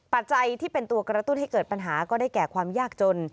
ปัจจัยที่เป็นตัวกระตุ้นให้เกิดปัญหาก็ได้แก่ความยากจน